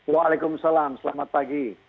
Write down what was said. waalaikumsalam selamat pagi